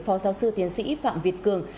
phó giáo sư tiến sĩ phạm việt cường